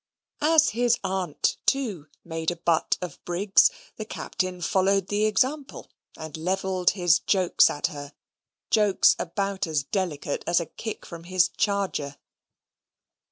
As his aunt, too, made a butt of Briggs, the Captain followed the example, and levelled his jokes at her jokes about as delicate as a kick from his charger.